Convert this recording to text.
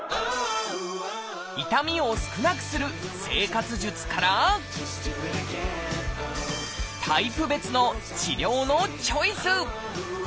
痛みを少なくする生活術からタイプ別の治療のチョイス。